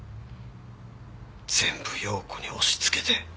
全部陽子に押しつけて。